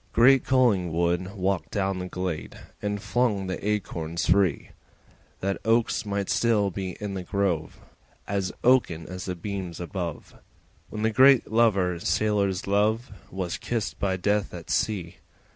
Great Collingwood walked down the glade And flung the acorns free, That oaks might still be in the grove As oaken as the beams above, When the great Lover sailors love Was kissed by Death at sea.